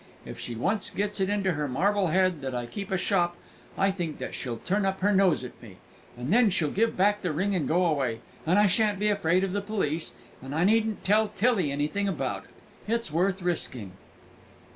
If she once gets it into her marble head that I keep a shop, I think that she'll turn up her nose at me. And then she'll give back the ring and go away, and I shan't be afraid of the police; and I needn't tell Tillie anything about it. It's worth risking."